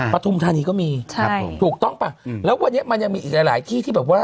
ประธุมธานีก็มีถูกต้องปะแล้ววันนี้มันยังมีอีกหลายที่